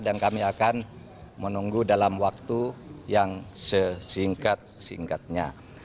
dan kami akan menunggu dalam waktu yang sesingkat singkatnya